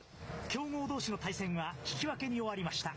強豪どうしの対戦は引き分けに終わりました。